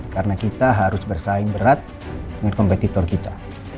karena kita harus bersaing berat dengan kompetitor kita